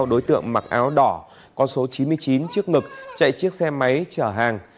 đối tượng mặc áo đỏ con số chín mươi chín trước ngực chạy chiếc xe máy chở hàng